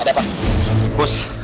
ada apa emang tuh masalah